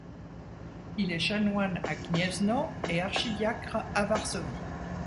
Il est chanoine à Gniezno et archidiacre à Varsovie.